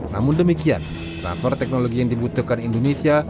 namun demikian transfer teknologi yang dibutuhkan indonesia